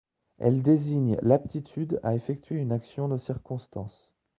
Elle désigne l’aptitude à effectuer une action de circonstance.